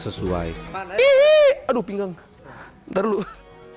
kue keranjang harus dikentalan yang sesuai